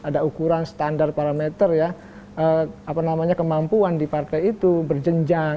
ada ukuran standar parameter kemampuan di partai itu berjenjang